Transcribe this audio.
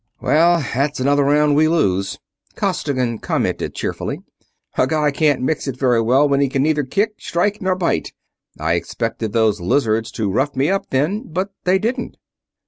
"Well, that's another round we lose," Costigan commented, cheerfully. "A guy can't mix it very well when he can neither kick, strike, nor bite. I expected those lizards to rough me up then, but they didn't."